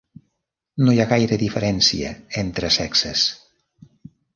No hi ha gaire diferència entre sexes.